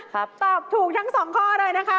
ครับตอบถูกทั้ง๒ข้อเลยนะคะ